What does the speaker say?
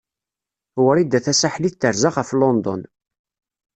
Wrida Tasaḥlit terza ɣef London.